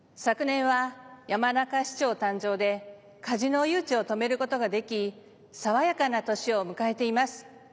昨年は山中市長誕生でカジノ誘致を止める事ができ爽やかな年を迎えています。